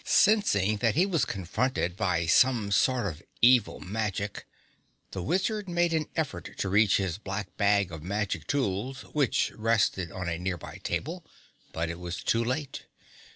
Sensing that he was confronted by some sort of evil magic, the Wizard made an effort to reach his black bag of magic tools which rested on a nearby table, but it was too late.